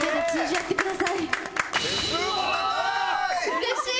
うれしい！